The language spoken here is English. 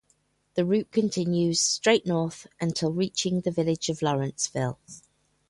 The route continues straight north until reaching the village of Lawrenceville.